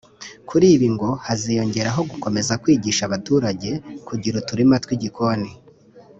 Kuri ibi ngo haziyongeraho gukomeza kwigisha abaturage kugira uturima tw’igikoni